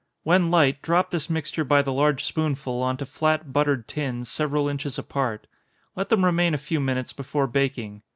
When light, drop this mixture by the large spoonful on to flat, buttered tins, several inches apart. Let them remain a few minutes before baking.